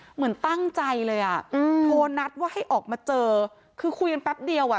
เหมือนตั้งใจเลยอ่ะอืมโทรนัดว่าให้ออกมาเจอคือคุยกันแป๊บเดียวอ่ะ